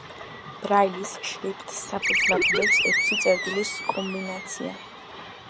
ბრაილის შრიფტს საფუძვლად უდევს ექვსი წერტილის კომბინაცია.